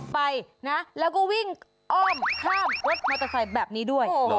ไปนะแล้วก็วิ่งอ้อมข้ามรถมอเตอร์ไซค์แบบนี้ด้วย